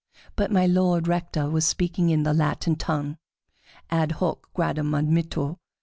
But My Lord Rector was speaking in the Latin tongue, "_ad hoc gradum admitto